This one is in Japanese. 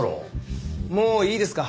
もういいですか？